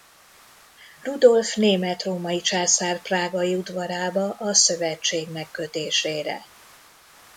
Rudolf német-római császár prágai udvarába a szövetség megkötésére.